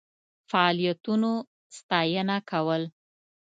فعالیتونو ستاینه کول.